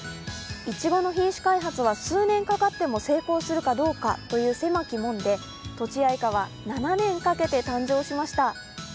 いちごの品種開発は数年かかってもせいこうするかどうかという狭き門でとちあいかは７年かけて誕生しました。